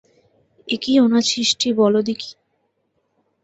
এ কী অনাছিষ্টি বলো দিকি!